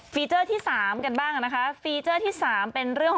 ฟีเจอร์ที่๓กันบ้างนะคะเป็นเรื่องของการซื้อประการอุบัติเหตุ